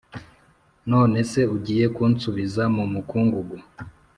none se ugiye kunsubiza mu mukungugu’